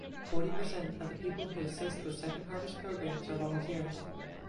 Forty percent of the people who assist with Second Harvest programs are volunteers.